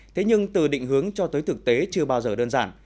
thế nhưng từ định hướng cho tới thực tế chưa bao giờ đơn giản